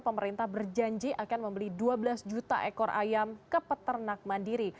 pemerintah berjanji akan membeli dua belas juta ekor ayam ke peternak mandiri